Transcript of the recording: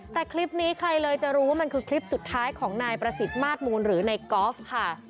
แต่คลิปนี้ใครเลยจะรู้ว่ามันคือคลิปสุดท้ายของนายประสิทธิ์มาสมูลหรือในกอล์ฟค่ะ